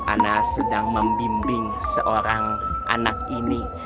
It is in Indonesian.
ana sedang membimbing seorang anak ini